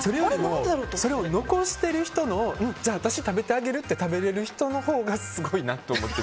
それより残している人のじゃあ、私食べてあげるって食べられる人のほうがすごいなと思ってる。